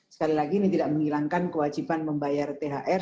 sekali lagi ini tidak menghilangkan kewajiban membayar thr